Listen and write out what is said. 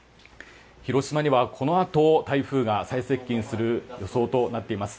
広島にはこのあと台風が最接近する予想になっています。